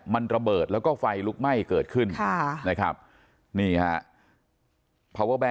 มันระเบิดแล้วก็ไฟลุกไหม้เกิดขึ้นค่ะนะครับนี่ฮะ